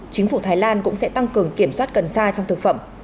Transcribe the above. chính phủ thái lan cũng sẽ tăng cường kiểm soát cần sa trong thực phẩm